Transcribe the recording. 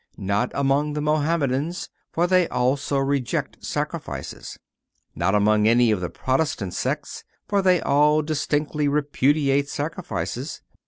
Not among the Mohammedans; for they also reject sacrifices. Not among any of the Protestant sects; for they all distinctly repudiate sacrifices.